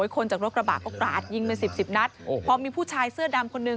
คนจากรถกระบะก็กราดยิงเป็นสิบสิบนัดพอมีผู้ชายเสื้อดำคนนึง